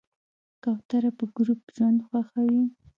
کوتره په ګروپ ژوند خوښوي.